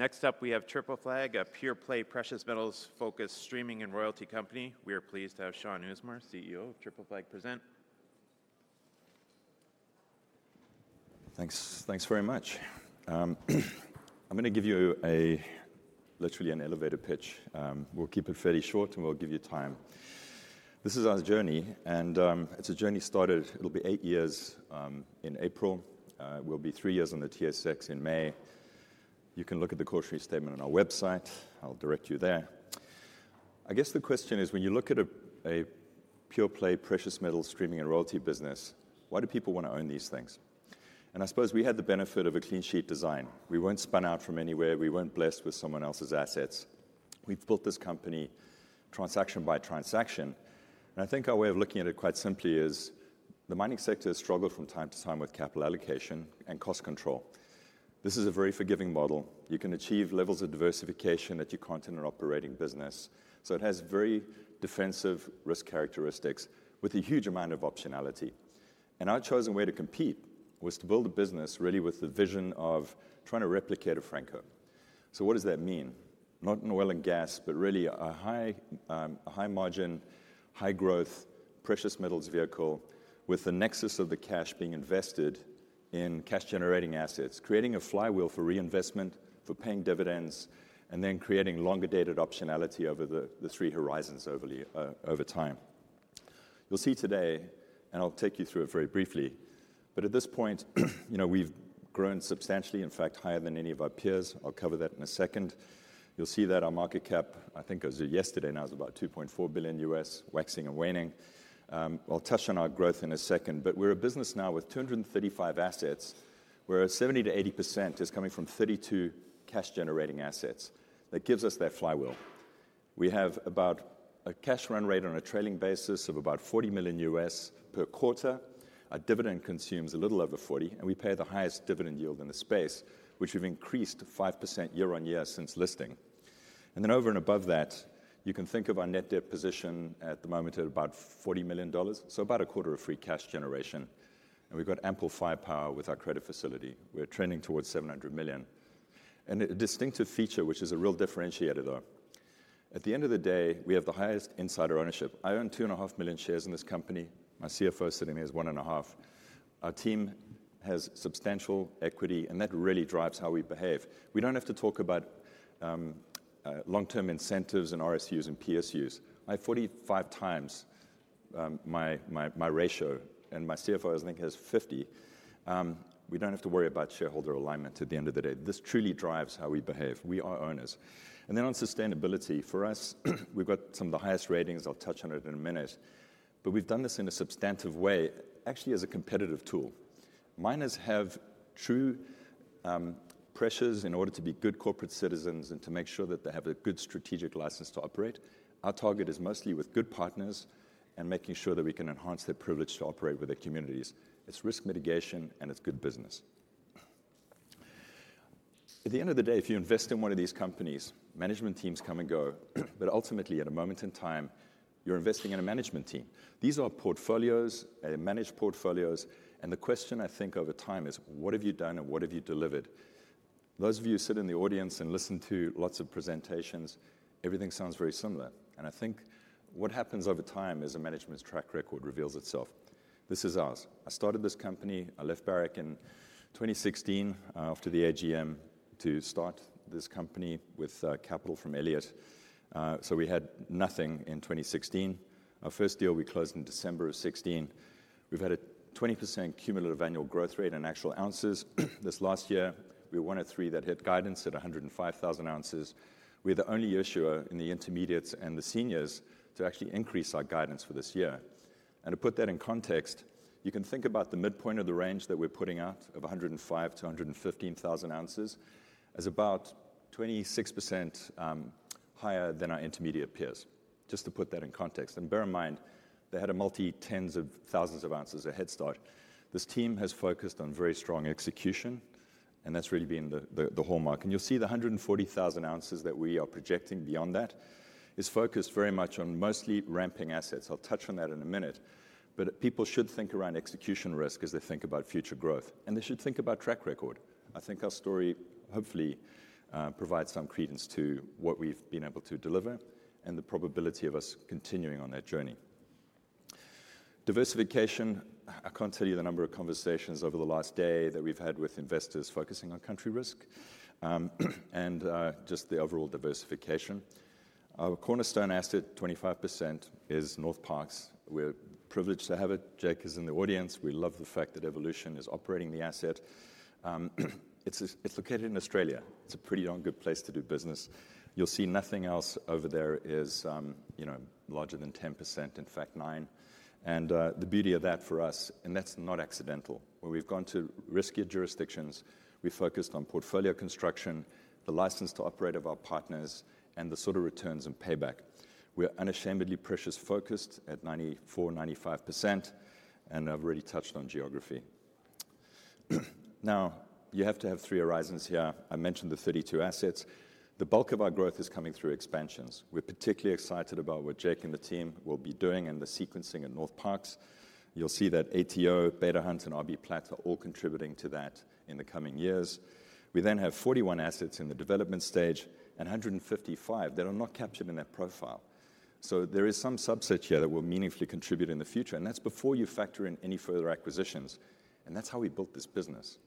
Next up we have Triple Flag, a pure-play precious metals-focused streaming and royalty company. We are pleased to have Shaun Usmar, CEO of Triple Flag, present. Thanks. Thanks very much. I'm going to give you literally an elevator pitch. We'll keep it fairly short, and we'll give you time. This is our journey, and it's a journey started—it'll be eight years in April. We'll be three years on the TSX in May. You can look at the cautionary statement on our website. I'll direct you there. I guess the question is, when you look at a pure-play precious metals streaming and royalty business, why do people want to own these things? And I suppose we had the benefit of a clean sheet design. We weren't spun out from anywhere. We weren't blessed with someone else's assets. We've built this company transaction by transaction. And I think our way of looking at it quite simply is the mining sector has struggled from time to time with capital allocation and cost control. This is a very forgiving model. You can achieve levels of diversification that you can't in an operating business. So it has very defensive risk characteristics with a huge amount of optionality. Our chosen way to compete was to build a business really with the vision of trying to replicate a Franco-Nevada. So what does that mean? Not in oil and gas, but really a high, a high margin, high growth precious metals vehicle with the nexus of the cash being invested in cash-generating assets, creating a flywheel for reinvestment, for paying dividends, and then creating longer-dated optionality over the, the three horizons overly, over time. You'll see today, and I'll take you through it very briefly, but at this point, you know, we've grown substantially, in fact, higher than any of our peers. I'll cover that in a second. You'll see that our market cap, I think it was yesterday, now it's about $2.4 billion, waxing and waning. I'll touch on our growth in a second, but we're a business now with 235 assets, whereas 70%-80% is coming from 32 cash-generating assets. That gives us that flywheel. We have about a cash run rate on a trailing basis of about $40 million per quarter. Our dividend consumes a little over $40 million, and we pay the highest dividend yield in the space, which we've increased 5% year-over-year since listing. Then over and above that, you can think of our net debt position at the moment at about $40 million, so about a quarter of free cash generation. And we've got ample firepower with our credit facility. We're trending towards $700 million. A distinctive feature, which is a real differentiator, though, at the end of the day, we have the highest insider ownership. I own 2.5 million shares in this company. My CFO sitting here is 1.5. Our team has substantial equity, and that really drives how we behave. We don't have to talk about long-term incentives and RSUs and PSUs. I have 45 times my ratio, and my CFO, I think, has 50. We don't have to worry about shareholder alignment at the end of the day. This truly drives how we behave. We are owners. And then on sustainability, for us, we've got some of the highest ratings. I'll touch on it in a minute. But we've done this in a substantive way, actually as a competitive tool. Miners have true pressures in order to be good corporate citizens and to make sure that they have a good strategic license to operate. Our target is mostly with good partners and making sure that we can enhance their privilege to operate with their communities. It's risk mitigation, and it's good business. At the end of the day, if you invest in one of these companies, management teams come and go, but ultimately, at a moment in time, you're investing in a management team. These are portfolios, managed portfolios, and the question, I think, over time is, what have you done and what have you delivered? Those of you who sit in the audience and listen to lots of presentations, everything sounds very similar. I think what happens over time is a management's track record reveals itself. This is ours. I started this company. I left Barrick in 2016, after the AGM, to start this company with capital from Elliott. So we had nothing in 2016. Our first deal we closed in December 2016. We've had a 20% cumulative annual growth rate in actual ounces. This last year, we were one of three that hit guidance at 105,000 oz. We're the only issuer in the intermediates and the seniors to actually increase our guidance for this year. And to put that in context, you can think about the midpoint of the range that we're putting out of 105,000 oz-115,000 oz as about 26% higher than our intermediate peers, just to put that in context. And bear in mind, they had a multi-tens of thousands of ounces a head start. This team has focused on very strong execution, and that's really been the hallmark. You'll see the 140,000 oz that we are projecting beyond that is focused very much on mostly ramping assets. I'll touch on that in a minute. But people should think around execution risk as they think about future growth, and they should think about track record. I think our story, hopefully, provides some credence to what we've been able to deliver and the probability of us continuing on that journey. Diversification, I can't tell you the number of conversations over the last day that we've had with investors focusing on country risk, and, just the overall diversification. Our cornerstone asset, 25%, is Northparkes. We're privileged to have it. Jake is in the audience. We love the fact that Evolution is operating the asset. It's located in Australia. It's a pretty darn good place to do business. You'll see nothing else over there is, you know, larger than 10%. In fact, 9%. And, the beauty of that for us, and that's not accidental, where we've gone to riskier jurisdictions, we've focused on portfolio construction, the license to operate of our partners, and the sort of returns and payback. We're unashamedly precious-focused at 94%-95%, and I've already touched on geography. Now, you have to have three horizons here. I mentioned the 32 assets. The bulk of our growth is coming through expansions. We're particularly excited about what Jake and the team will be doing and the sequencing at Northparkes. You'll see that ATO, Beta Hunt, and RBPlat are all contributing to that in the coming years. We then have 41 assets in the development stage and 155 that are not captured in that profile. So there is some subset here that will meaningfully contribute in the future, and that's before you factor in any further acquisitions. And that's how we built this business.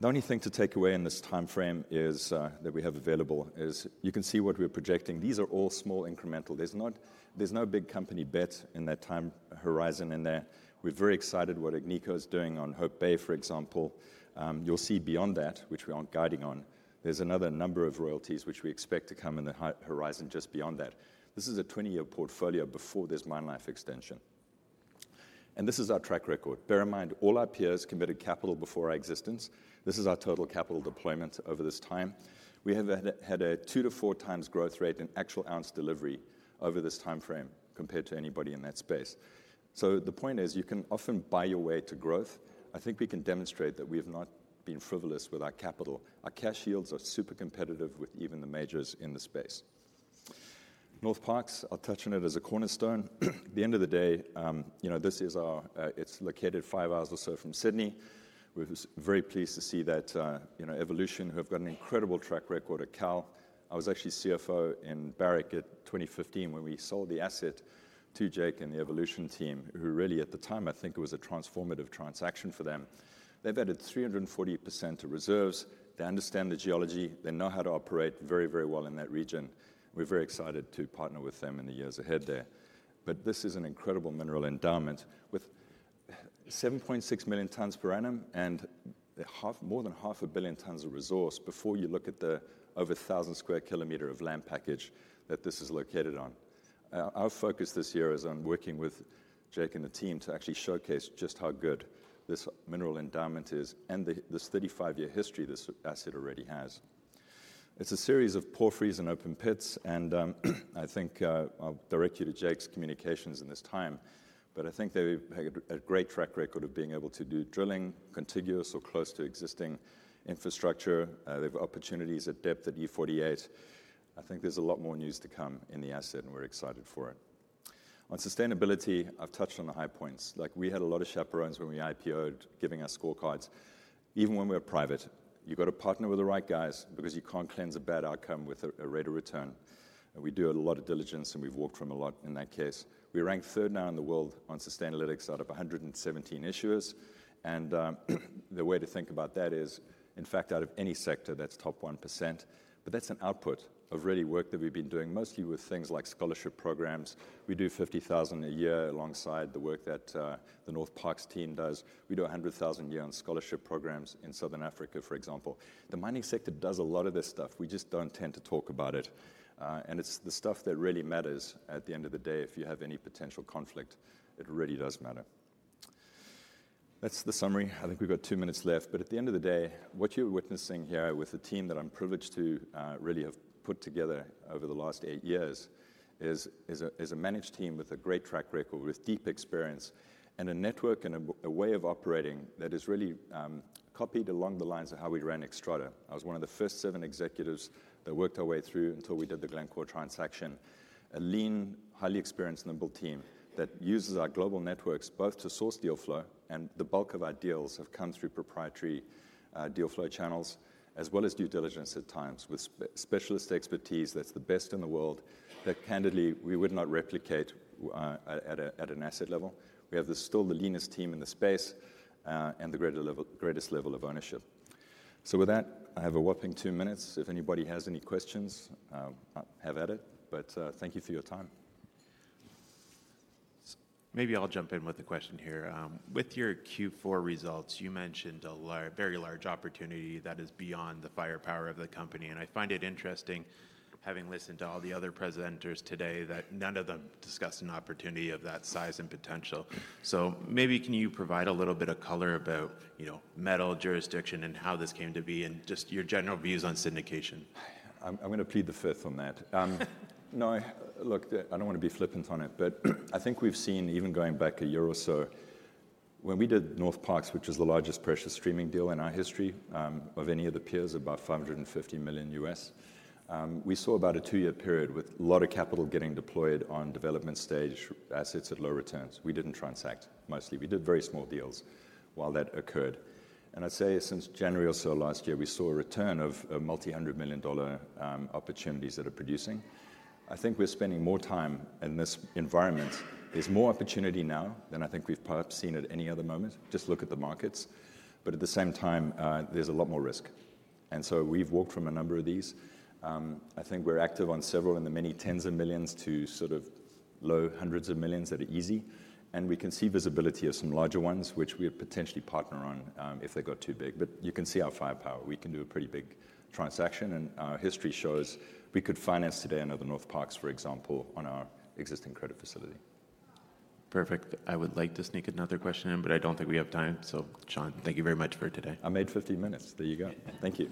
The only thing to take away in this time frame is, that we have available is you can see what we're projecting. These are all small incremental. There's no big company bet in that time horizon in there. We're very excited what Agnico is doing on Hope Bay, for example. You'll see beyond that, which we aren't guiding on, there's another number of royalties which we expect to come in the high-horizon just beyond that. This is a 20-year portfolio before there's mine life extension. And this is our track record. Bear in mind, all our peers committed capital before our existence. This is our total capital deployment over this time. We have had a 2x-4x growth rate in actual ounce delivery over this time frame compared to anybody in that space. So the point is you can often buy your way to growth. I think we can demonstrate that we have not been frivolous with our capital. Our cash yields are super competitive with even the majors in the space. Northparkes, I'll touch on it as a cornerstone. At the end of the day, you know, this is our, it's located five hours or so from Sydney. We're very pleased to see that, you know, Evolution, who have got an incredible track record as well, I was actually CFO in Barrick at 2015 when we sold the asset to Jake and the Evolution team, who really, at the time, I think it was a transformative transaction for them. They've added 340% to reserves. They understand the geology. They know how to operate very, very well in that region. We're very excited to partner with them in the years ahead there. But this is an incredible mineral endowment with 7.6 million tons per annum and more than 0.5 billion tons of resource before you look at the over 1,000 km2 of land package that this is located on. Our focus this year is on working with Jake and the team to actually showcase just how good this mineral endowment is and the, this 35-year history this asset already has. It's a series of porphyries and open pits, and, I think, I'll direct you to Jake's communications in this time. But I think they've had a great track record of being able to do drilling, contiguous or close to existing infrastructure. They've got opportunities at depth at E48. I think there's a lot more news to come in the asset, and we're excited for it. On sustainability, I've touched on the high points. Like, we had a lot of chaperones when we IPOed giving us scorecards. Even when we're private, you've got to partner with the right guys because you can't cleanse a bad outcome with a, a rate of return. We do a lot of diligence, and we've walked from a lot in that case. We rank third now in the world on Sustainalytics out of 117 issuers. The way to think about that is, in fact, out of any sector, that's top 1%. That's an output of really work that we've been doing mostly with things like scholarship programs. We do 50,000 a year alongside the work that, the Northparkes team does. We do $100,000 a year on scholarship programs in Southern Africa, for example. The mining sector does a lot of this stuff. We just don't tend to talk about it. And it's the stuff that really matters at the end of the day if you have any potential conflict. It really does matter. That's the summary. I think we've got two minutes left. But at the end of the day, what you're witnessing here with the team that I'm privileged to, really have put together over the last eight years is, is a is a managed team with a great track record, with deep experience, and a network and a, a way of operating that is really, copied along the lines of how we ran Xstrata. I was one of the first seven executives that worked our way through until we did the Glencore transaction. A lean, highly experienced, nimble team that uses our global networks both to source deal flow, and the bulk of our deals have come through proprietary, deal flow channels, as well as due diligence at times with specialist expertise that's the best in the world that, candidly, we would not replicate, at an asset level. We have still the leanest team in the space, and the greatest level of ownership. So with that, I have a whopping two minutes. If anybody has any questions, have at it. But, thank you for your time. Maybe I'll jump in with a question here. With your Q4 results, you mentioned a very large opportunity that is beyond the firepower of the company. And I find it interesting, having listened to all the other presenters today, that none of them discussed an opportunity of that size and potential. So, maybe can you provide a little bit of color about, you know, metal jurisdiction and how this came to be and just your general views on syndication? I'm, I'm going to plead the fifth on that. No, look, I don't want to be flippant on it, but I think we've seen, even going back a year or so, when we did Northparkes, which was the largest precious streaming deal in our history, of any of the peers, about $550 million, we saw about a two-year period with a lot of capital getting deployed on development stage assets at low returns. We didn't transact mostly. We did very small deals while that occurred. And I'd say since January or so last year, we saw a return of a multi-hundred million dollar opportunities that are producing. I think we're spending more time in this environment. There's more opportunity now than I think we've perhaps seen at any other moment. Just look at the markets. But at the same time, there's a lot more risk. And so we've walked from a number of these. I think we're active on several in the tens of millions to low hundreds of millions that are easy. And we can see visibility of some larger ones, which we would potentially partner on, if they got too big. But you can see our firepower. We can do a pretty big transaction, and our history shows we could finance today another Northparkes, for example, on our existing credit facility. Perfect. I would like to sneak another question in, but I don't think we have time. So, Shaun, thank you very much for today. I made 50 minutes. There you go. Thank you.